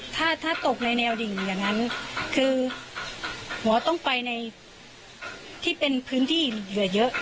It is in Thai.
ถ้าถ้าตกในแนวดิ่งอย่างนั้นคือหมอต้องไปในที่เป็นพื้นที่เหลือเยอะ